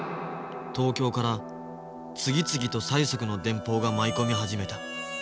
東京から次々と催促の電報が舞い込み始めた。